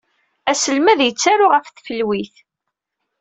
Aselmad yettaru ɣef tfelwit.